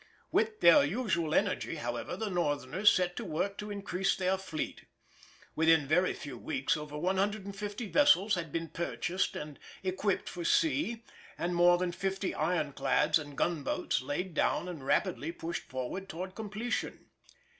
With their usual energy, however, the Northerners set to work to increase their fleet; within very few weeks over 150 vessels had been purchased and equipped for sea, and more than fifty ironclads and gunboats laid down and rapidly pushed forward towards completion.